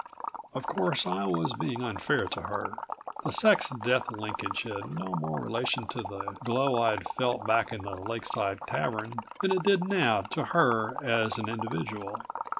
Of course I was being unfair to her. The sex death linkage had no more relation to the glow I'd felt back in the lakeside tavern than it did now to her as an individual.